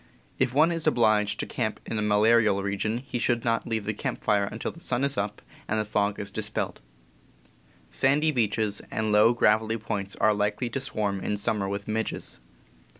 If one is obliged to camp in a malarial region he should not leave the camp fire until the sun is up and the fog dispelled. Sandy beaches, and low, gravelly points, are likely to swarm in summer with midges.